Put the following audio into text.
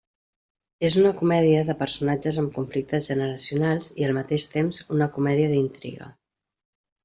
És una comèdia de personatges amb conflictes generacionals i al mateix temps una comèdia d'intriga.